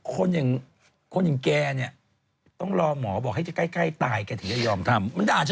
คนอย่างคนอย่างแกเนี่ยต้องรอหมอบอกให้จะใกล้ตายแกถึงจะยอมทำ